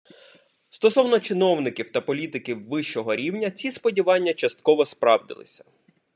Стосовно чиновників та політиків вищого рівня, ці сподівання частково справдилися.